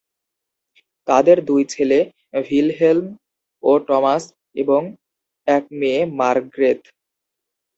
তাদের দুই ছেলে ভিলহেল্ম ও টমাস এবং এক মেয়ে মার্গ্রেথ।